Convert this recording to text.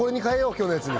今日のやつに